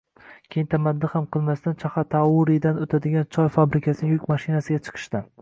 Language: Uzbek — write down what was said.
Keyin tamaddi ham qilmasdan Choxatauridan oʻtadigan choy fabrikasining yuk mashinasiga chiqishdi.